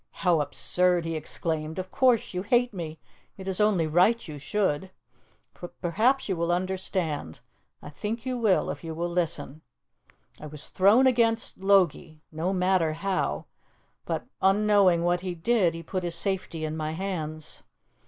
"How absurd!" he exclaimed. "Of course you hate me; it is only right you should. But perhaps you will understand I think you will, if you will listen. I was thrown against Logie no matter how but, unknowing what he did, he put his safety in my hands.